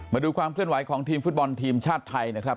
มาดูความเคลื่อนไหวของทีมฟุตบอลทีมชาติไทยนะครับ